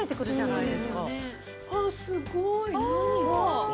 すごい。